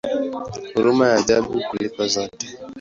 Huruma ya ajabu kuliko zote!